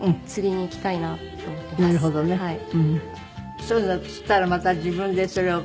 そういうのを釣ったらまた自分でそれを。